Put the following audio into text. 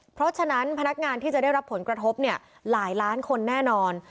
เพราะฉะนั้นพนักงานที่จะได้รับผลกระทบหลายล้านคนแน่นอน